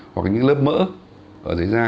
hoặc là những lớp mỡ ở dưới da